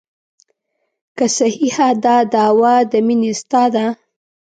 که صحیحه دا دعوه د مینې ستا ده.